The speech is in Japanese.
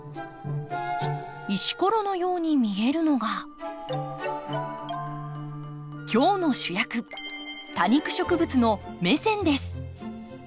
石ころのように見えるのが今日の主役多肉植物のメセンです。